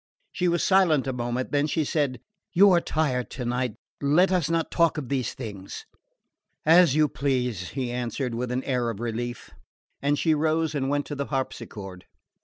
She was silent a moment; then she said: "You are tired tonight. Let us not talk of these things." "As you please," he answered, with an air of relief; and she rose and went to the harpsichord.